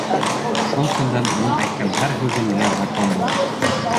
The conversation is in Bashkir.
Шул көндән уның әйткән һәр һүҙе миңә закон булды.